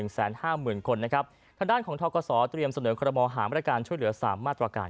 ๑แสน๕หมื่นคนขนะของทกบสอสเตรียมเสนอกรมหาวิรยการถช่วยเหลือ๓มาตรการ